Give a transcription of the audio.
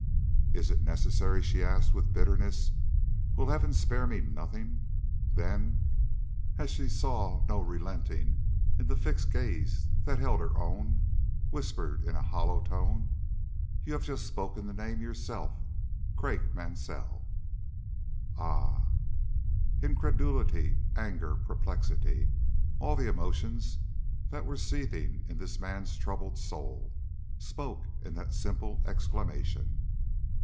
"Is it necessary?" she asked, with bitterness. "Will Heaven spare me nothing?" Then, as she saw no relenting in the fixed gaze that held her own, whispered, in a hollow tone: "You have just spoken the name yourself Craik Mansell." "Ah!" Incredulity, anger, perplexity, all the emotions that were seething in this man's troubled soul, spoke in that simple exclamation.